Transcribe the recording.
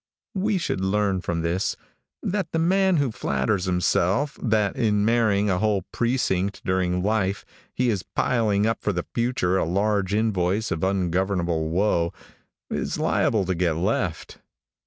We should learn from this that the man who flatters himself that in marrying a whole precinct during life, he is piling up for the future a large invoice of ungovernable woe, is liable to get left.